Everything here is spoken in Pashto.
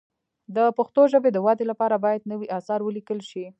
د پښتو ژبې د ودې لپاره باید نوي اثار ولیکل شي.